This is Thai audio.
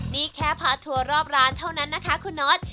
นี่แค่พาร์ทัวร์รอบร้านเท่านั้นนะคะคุณน็อต